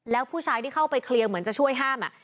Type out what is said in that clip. แล้วผู้ชายที่เข้าไปเคลียร์เหมือนจะช่วยห้าม